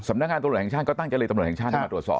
นักงานตำรวจแห่งชาติก็ตั้งเจรตำรวจแห่งชาติให้มาตรวจสอบ